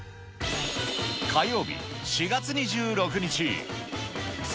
火曜日、４月２６日。